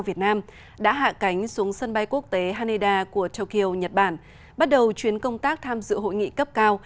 việt nam đã hạ cánh xuống sân bay quốc tế haneda của tokyo nhật bản bắt đầu chuyến công tác tham dự hội nghị cấp cao